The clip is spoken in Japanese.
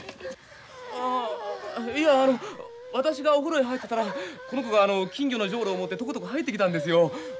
あいやあの私がお風呂へ入ってたらこの子が金魚のじょうろを持ってとことこ入ってきたんですよ。